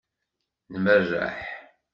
Nmerreḥ.